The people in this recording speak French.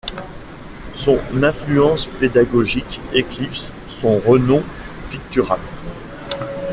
Son influence pédagogique éclipse son renom pictural.